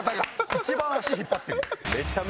一番足引っ張ってるよ。